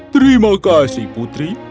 terima kasih putri